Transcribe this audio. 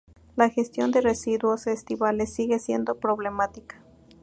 La gestión de residuos estivales sigue siendo problemática.